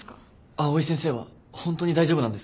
藍井先生はホントに大丈夫なんですか？